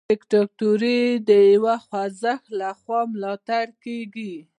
دیکتاتوري د یو خوځښت لخوا ملاتړ کیږي.